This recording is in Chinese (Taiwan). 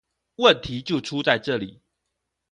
問題就出在這裡